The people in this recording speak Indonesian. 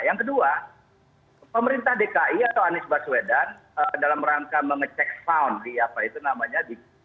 yang kedua pemerintah dki atau anies baswedan dalam rangka mengecek found di apa itu namanya